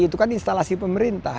itu kan instalasi pemerintah